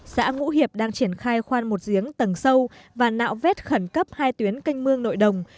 xã ngũ hiệp đang triển khai khoan một giếng tầng sâu và nạo vét khẩn cấp hai tuyến canh mương nội đồng